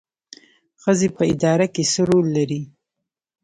ښځې په اداره کې څه رول لري؟